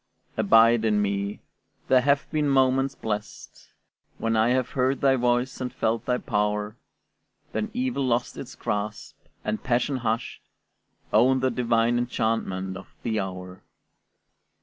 Abide in me: there have been moments blest When I have heard thy voice and felt thy power; Then evil lost its grasp, and passion, hushed, Owned the divine enchantment of the hour.